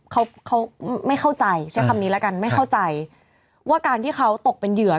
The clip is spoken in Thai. เขาเขาไม่เข้าใจใช้คำนี้แล้วกันไม่เข้าใจว่าการที่เขาตกเป็นเหยื่อ